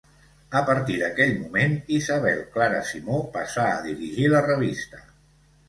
A partir d'aquell moment Isabel-Clara Simó passà a dirigir la revista.